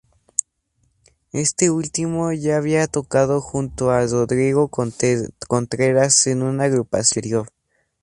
Este último ya había tocado junto a Rodrigo Contreras en una agrupación anterior.